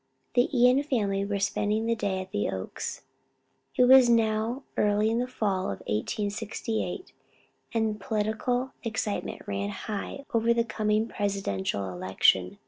The Ion family were spending the day at the Oaks. It was now early in the fall of 1868 and political excitement ran high over the coming presidential election.